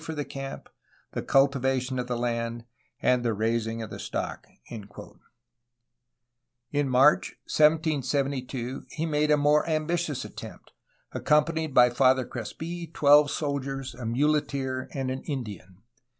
for the camp, the cultivation of the land, and the raising of stock.'* In March 1772 he made a more ambitious attempt, accom panied by Father Crespf, twelve soldiers, a muleteer, and an Indian.